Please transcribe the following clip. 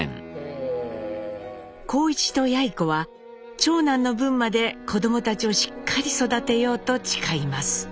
幸一とやい子は長男の分まで子どもたちをしっかり育てようと誓います。